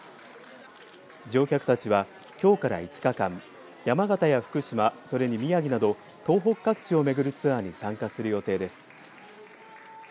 乗客たちはきょうから５日間山形や福島それに宮城など東北各地を巡るツアーに参加する予定です。